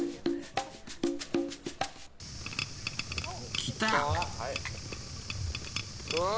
きた！